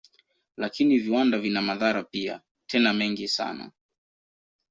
Lakini viwanda vina madhara pia, tena mengi sana.